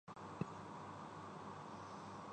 کے سامنے مقامی فلموں کے